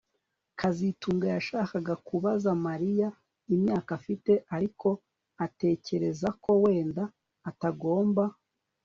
kazitunga yashakaga kubaza Mariya imyaka afite ariko atekereza ko wenda atagomba